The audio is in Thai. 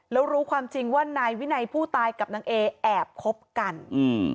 แล้วรู้ความจริงว่านายวินัยผู้ตายกับนางเอแอบคบกันอืม